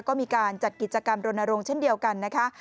ก็มีการจัดกิจกรรมรณรงค์เช่นเดียวกันนะคะ